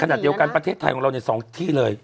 ขณะเดียวกันประเทศไทยของเราเนี่ย๒ที่เลย